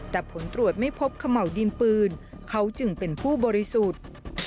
แต่ผลตรวจไม่พบเขม่าวดินปืนเขาจึงเป็นผู้บริสุทธิ์